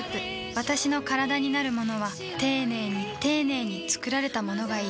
私のカラダになるものは丁寧に丁寧に作られたものがいい